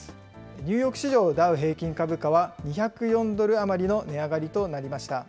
ニューヨーク市場ダウ平均株価は、２０４ドル余りの値上がりとなりました。